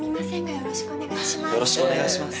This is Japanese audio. よろしくお願いします。